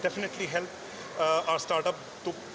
dan kita ingin melakukan investasi di sekitarnya